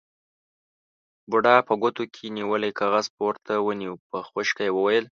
بوډا په ګوتو کې نيولی کاغذ پورته ونيو، په خشکه يې وويل: